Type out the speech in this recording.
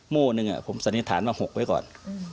โมหนึ่งอ่ะผมสันนิษฐานว่าหกไว้ก่อนอืม